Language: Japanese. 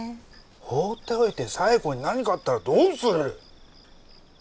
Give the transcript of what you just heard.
放っておいて左枝子に何かあったらどうする？